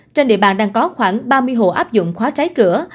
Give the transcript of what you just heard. trên địa bàn đang có khoảng ba mươi hộ áp dụng khóa trái cửa